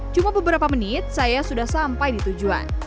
cuma beberapa menit saya sudah sampai di tujuan